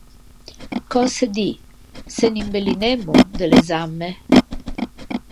Cöse dî, se n’imbellinemmo de l’examme?